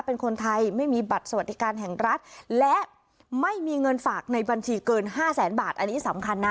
เป็นคนไทยไม่มีบัตรสวัสดิการแห่งรัฐและไม่มีเงินฝากในบัญชีเกินห้าแสนบาทอันนี้สำคัญนะ